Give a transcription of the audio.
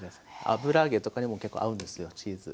油揚げとかにも結構合うんですよチーズ。